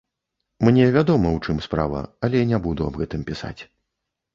Мне вядома, у чым справа, але не буду аб гэтым пісаць.